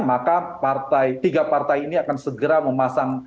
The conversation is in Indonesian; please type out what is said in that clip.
maka tiga partai ini akan segera memasang